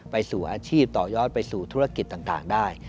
ไปสู่อาชีพต่อยอดไปสู่ธุรกิจต่างได้